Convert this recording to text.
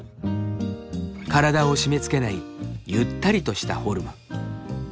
体を締めつけないゆったりとしたフォルム。